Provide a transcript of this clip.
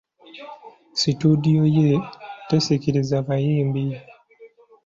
Situdiyo ye tesikiriza bayimbi.